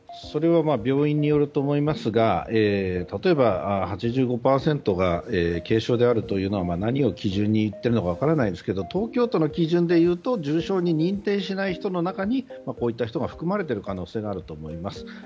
それは病院によると思いますが、例えば８５％が軽症であるというのは何を基準に言っているのか分からないんですが東京都の基準でいうと重症者に認定しない人の中にこういうものがあると思います。